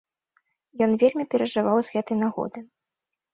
Ён вельмі перажываў з гэтай нагоды.